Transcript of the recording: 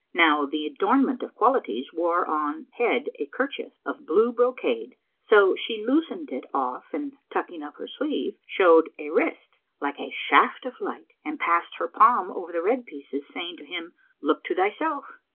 Now the "Adornment of Qualities" wore on head a kerchief of blue brocade so she loosed it off and tucking up her sleeve, showed a wrist like a shaft of light and passed her palm over the red pieces, saying to him, "Look to thyself."